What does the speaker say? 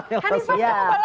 hanifan juga balap motor ya